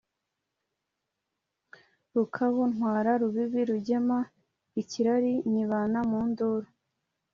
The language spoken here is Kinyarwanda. Rukabu ntwara Rubibi rugema ikirali nyibana mu nduru,